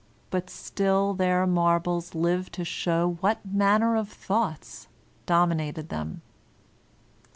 But still their marbles live to show what manner of thoughts dominated them.